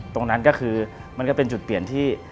ตรงนั้นก็คือมันก็เป็นจุดเปลี่ยนที่